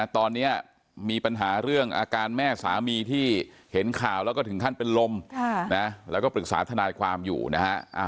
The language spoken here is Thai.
ตอนนี้มีปัญหาเรื่องอาการแม่สามีที่เห็นข่าวแล้วก็ถึงขั้นเป็นลมแล้วก็ปรึกษาทนายความอยู่นะฮะ